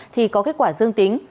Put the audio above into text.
thì có kết quả dương tính